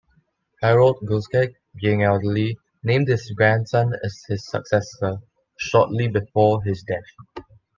Harald Gulskeg, being elderly, named his grandson as his successor, shortly before his death.